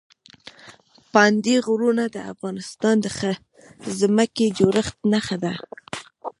پابندي غرونه د افغانستان د ځمکې د جوړښت نښه ده.